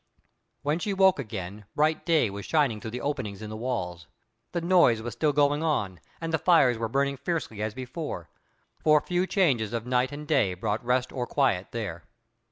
When she woke again, broad day was shining through the openings in the walls. The noise was still going on, and the fires were burning fiercely as before; for few changes of night and day brought rest or quiet there.